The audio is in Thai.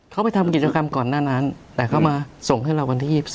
เขาไปทำกิจกรรมก่อนหน้านั้นแต่เขามาส่งให้เราวันที่๒๓